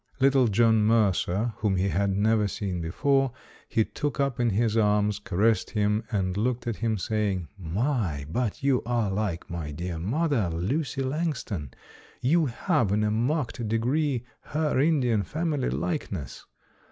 Little John Mercer, whom he had never seen before, he took up in his arms, caressed him and looked at him, saying, "My! but you are like my dear mother, Lucy Langston! You have in a marked degree her Indian family likeness!"